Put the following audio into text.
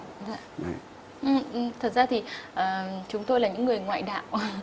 thật ra thì chúng tôi là những người ngoại đạo